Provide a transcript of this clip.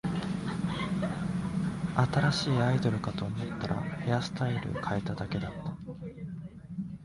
新しいアイドルかと思ったら、ヘアスタイル変えただけだった